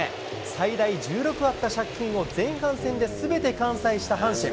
最大１６あった借金を前半戦ですべて完済した阪神。